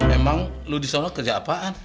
emang lu di solo kerja apaan